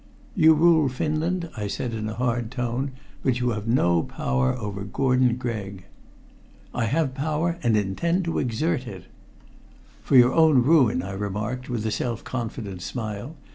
"You rule Finland," I said in a hard tone, "but you have no power over Gordon Gregg." "I have power, and intend to exert it." "For your own ruin," I remarked with a self confident smile.